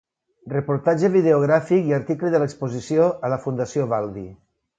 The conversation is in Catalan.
Reportatge videogràfic i article de l'exposició a la Fundació Valvi.